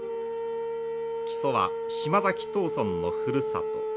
木曽は島崎藤村のふるさと。